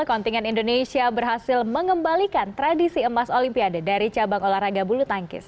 kontingen indonesia berhasil mengembalikan tradisi emas olimpiade dari cabang olahraga bulu tangkis